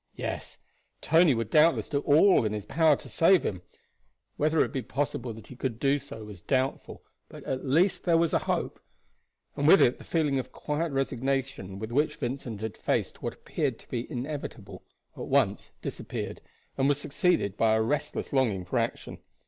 Yes, Tony would doubtless do all in his power to save him. Whether it would be possible that he could do so was doubtful; but at least there was a hope, and with it the feeling of quiet resignation with which Vincent had faced what appeared to be inevitable at once disappeared, and was succeeded by a restless longing for action.